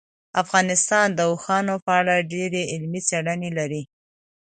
افغانستان د اوښانو په اړه ډېرې علمي څېړنې لري.